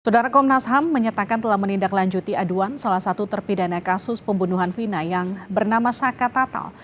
sudara komnas ham menyatakan telah menindaklanjuti aduan salah satu terpidana kasus pembunuhan vina yang bernama saka tatal